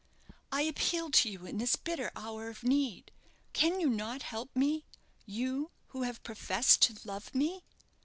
I appeal to you in this bitter hour of need. Can you not help me you, who have professed to love me?"